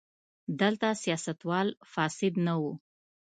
دلته سیاستوال فاسد نه وو.